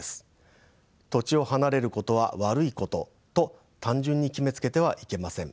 土地を離れることは悪いことと単純に決めつけてはいけません。